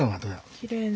きれいね。